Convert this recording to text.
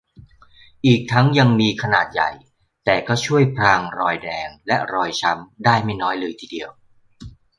อีกทั้งยังมีขนาดใหญ่ แต่ก็ช่วยพรางรอยแดง และรอยช้ำได้ไม่น้อยเลยทีเดียว